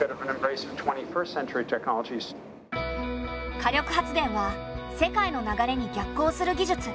火力発電は世界の流れに逆行する技術。